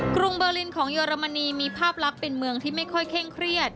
กรุงเบอร์ลินของเยอรมนีมีภาพลักษณ์เป็นเมืองที่ไม่ค่อยเคร่งเครียด